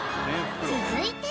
［続いて］